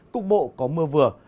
cục bộ có mưa vừa